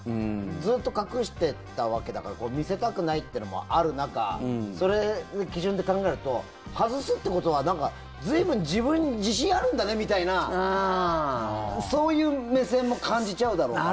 ずっと隠してたわけだから見せたくないってのもある中それの基準で考えると外すということは随分、自分に自信あるんだねみたいなそういう目線も感じちゃうだろうから。